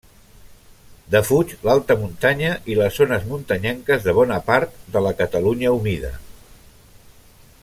Defuig l'alta muntanya i les zones muntanyenques de bona part de la Catalunya humida.